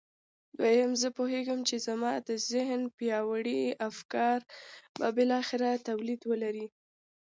دويم زه پوهېږم چې زما د ذهن پياوړي افکار به بالاخره توليد ولري.